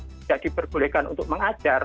tidak diperbolehkan untuk mengajar